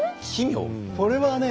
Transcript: これはね